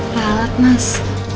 tak alat mas